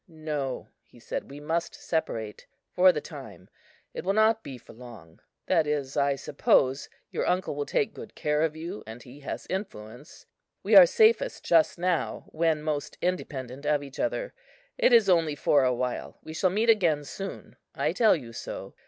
"No," he said, "we must separate,—for the time; it will not be for long. That is, I suppose, your uncle will take good care of you, and he has influence. We are safest just now when most independent of each other. It is only for a while. We shall meet again soon; I tell you so.